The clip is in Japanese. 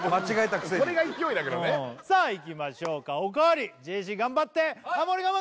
今のがねこれが勢いだけどねさあいきましょうかおかわりジェシー頑張ってハモリ我慢